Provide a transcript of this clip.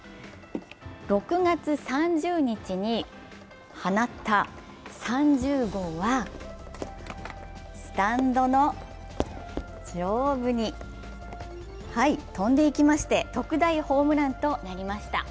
６月３０日に放った３０号はスタンドの上部に飛んでいきまして特大ホームランとなりました。